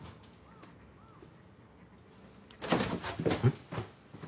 えっ？